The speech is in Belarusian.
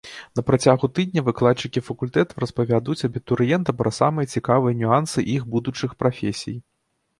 На працягу тыдня выкладчыкі факультэтаў распавядуць абітурыентам пра самыя цікавыя нюансы іх будучых прафесій.